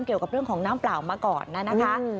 เกี่ยวกับเรื่องของน้ำเปล่ามาก่อนนะคะ